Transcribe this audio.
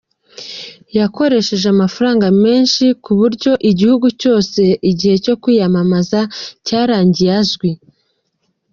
Yakoresheje amafaranga menshi ku buryo igihugu cyose igihe cyo kwiyamamaza cyarangiye azwi.